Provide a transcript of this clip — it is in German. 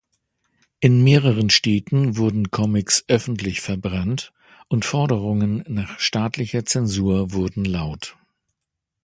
In mehreren Städten wurden Comics öffentlich verbrannt, und Forderungen nach staatlicher Zensur wurden laut.